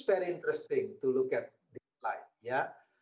karena sebagian besar uangnya